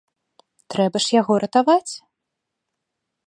Трэба ж яго ратаваць!